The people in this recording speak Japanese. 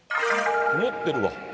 曇ってるわ。